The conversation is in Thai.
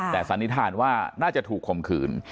แต่สันนิษฐานว่าน่าจะถูกคมขืน